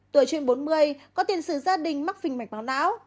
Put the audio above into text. tuổi trên bốn mươi có tiền sử gia đình mắc phinh mạch máu não